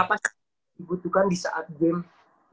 apa sih yang dibutuhkan di saat game